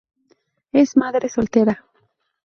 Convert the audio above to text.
Es madre soltera.